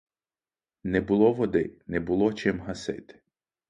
Не було води, не було чим гасити.